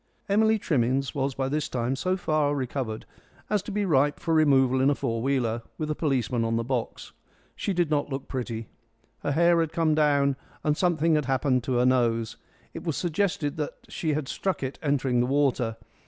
Emily Trimmins was by this time so far recovered as to be ripe for removal in a four wheeler, with a policeman on the box. She did not look pretty. Her hair had come down, and something had happened to her nose. It was suggested that she had struck it in entering the water.